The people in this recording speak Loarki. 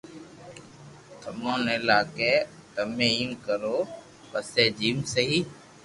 تمي ني لاگي تمو ايم ڪرو پسي جيم سھي